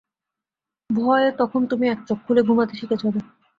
ভয়ে তখন তুমি এক চোখ খুলে ঘুমাতে শিখে যাবে।